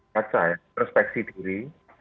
baca ya perspeksi diri